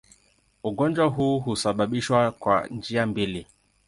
Ugonjwa huu husababishwa kwa njia mbili.